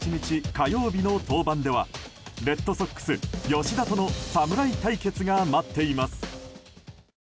火曜日の登板ではレッドソックス吉田との侍対決が待っています。